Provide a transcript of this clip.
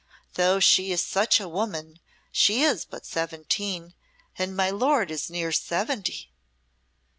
Though she is such a woman, she is but seventeen, and my lord is near seventy."